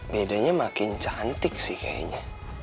bedanya makin cantik sih kayaknya